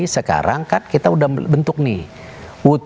sekarang kan kita udah bentuk nih